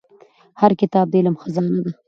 هر کتاب د علم خزانه ده.